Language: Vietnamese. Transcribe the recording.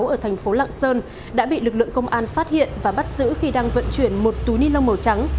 ở thành phố lạng sơn đã bị lực lượng công an phát hiện và bắt giữ khi đang vận chuyển một túi ni lông màu trắng